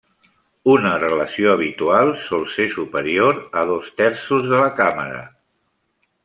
Una relació habitual sol ser superior a dos terços de la càmera.